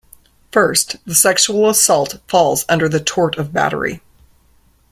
First, the sexual assault falls under the tort of battery.